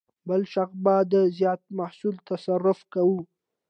بل شخص به دا زیات محصول تصرف کاوه.